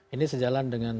ini sejalan dengan